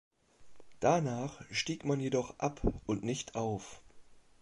Danach stieg man jedoch ab und nicht auf.